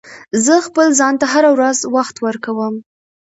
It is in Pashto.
زه خپل ځان ته هره ورځ وخت ورکوم.